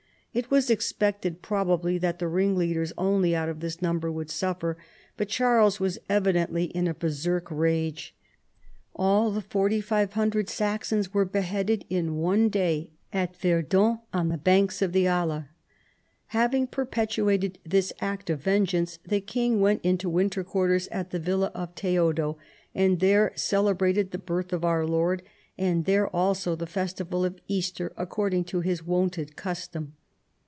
It was expected probably that the ringleaders only out of this number would suffer; but Charles was evidently in a Berserk rage.* All the 4500 Saxons were beheaded in one da}'^ at Yerden on the banks of the Aller. " Having per petrated this act of vengeance, the king went into winter quarters at the villa of Theodo, and there celebrated the birth of our Lord, and there also the festival of Easter, according to his wonted custom."